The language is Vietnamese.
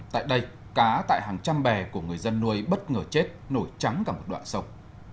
tại đây cá tại hàng trăm bè của người dân nuôi bất ngờ chết nổi trắng cả một đoạn sông